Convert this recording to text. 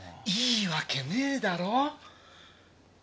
いいわけねえだろ？